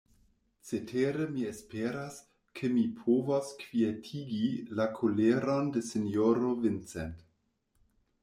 Cetere mi esperas, ke mi povos kvietigi la koleron de sinjoro Vincent.